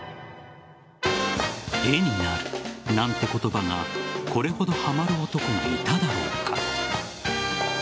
絵になるなんて言葉がこれほどはまる男がいただろうか。